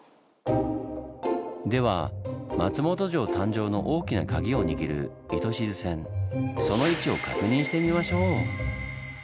では松本城誕生の大きなカギを握る糸静線その位置を確認してみましょう！